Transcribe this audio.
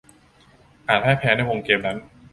อาจพ่ายแพ้ในวงเกมนั้น